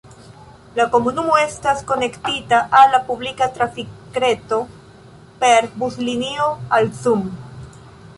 La komunumo estas konektita al la publika trafikreto per buslinio al Thun.